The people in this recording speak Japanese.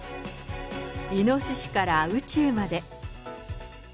イノシシから宇宙まで。